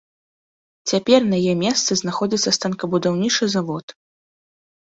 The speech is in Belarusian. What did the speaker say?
Цяпер на яе месцы знаходзіцца станкабудаўнічы завод.